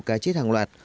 cá chết hàng loạt